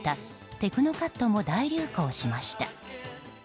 テクノカットも大流行しました。